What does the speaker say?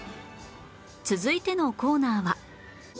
続いてのコーナーは